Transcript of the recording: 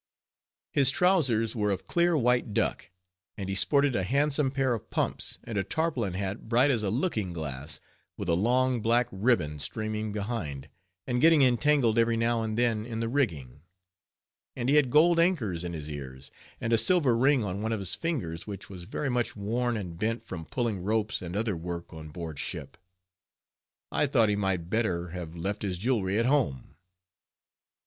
His trowsers were of clear white duck, and he sported a handsome pair of pumps, and a tarpaulin hat bright as a looking glass, with a long black ribbon streaming behind, and getting entangled every now and then in the rigging; and he had gold anchors in his ears, and a silver ring on one of his fingers, which was very much worn and bent from pulling ropes and other work on board ship. I thought he might better have left his jewelry at home.